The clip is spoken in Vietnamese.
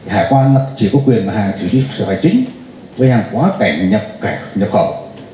hải quan chỉ có quyền hạ sở hữu phạm chính với hàng quá cảnh nhập khẩu